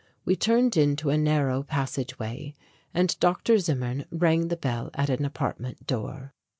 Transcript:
We turned into a narrow passage way and Dr. Zimmern rang the bell at an apartment door.